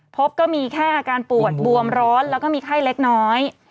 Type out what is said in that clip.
พบก็มีแค่อาการปวดบวมร้อนแล้วก็มีไข้เล็กน้อย